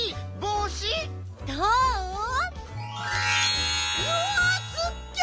うわすっげ！